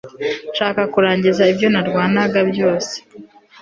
nshaka kurangiza ibyo narwanaga byose